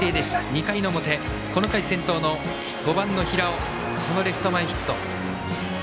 ２回の表、この回先頭の５番の平尾、レフト前ヒット。